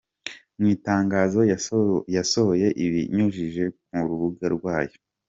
Mu itangazo yasohoye ibinyujije ku rubuga rwayo.